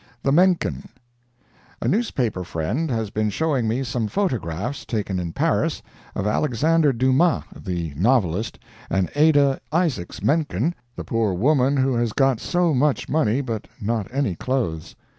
THE MENKEN A newspaper friend has been showing me some photographs, taken in Paris, of Alexandre Dumas, the novelist, and Adah Isaacs Menken, the poor woman who has got so much money, but not any clothes.